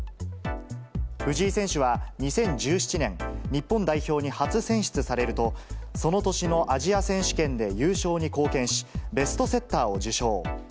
藤井選手は、２０１７年、日本代表に初選出されると、その年のアジア選手権で優勝に貢献し、ベストセッターを受賞。